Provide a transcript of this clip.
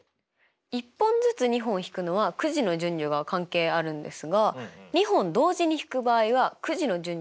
１本ずつ２本引くのはくじの順序が関係あるんですが２本同時に引く場合はくじの順序は関係ありませんよね。